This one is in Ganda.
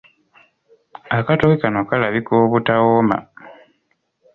Akatooke kano kalabika obutawooma.